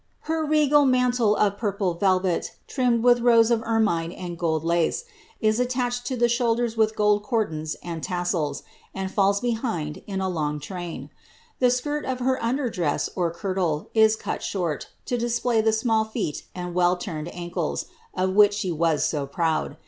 Her re^ mantle of purple velvet, trimmed with rows of ermine and £>id lace, is attached to the shoulders with gold cordons and tassels, and Us behind, in a long train. The skirt of her under dress, or kirtle, is cut short, to display the small feet and well turned ancles, of which she was so proud.